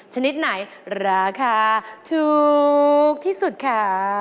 ชนิดไหนราคาถูกที่สุดค่ะ